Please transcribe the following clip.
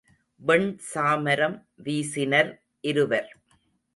வெண்சாமரம் வீசினர் இருவர்.